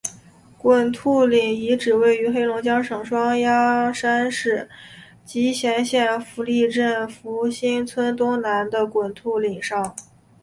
滚兔岭遗址位于黑龙江省双鸭山市集贤县福利镇福兴村东南的滚兔岭上。